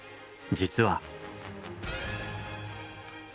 実は。